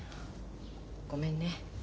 ごめんね。